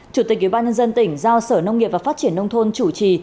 chủ tịch ubnd tỉnh giao sở nông nghiệp và phát triển nông thôn chủ trì